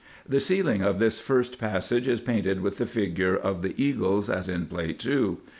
The ceiling of this first passage is painted with the figure of the eagles, as in Plate 2.